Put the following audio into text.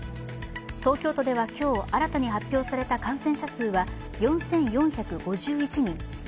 東京都では今日、新たに発表された感染者数は４４５１人。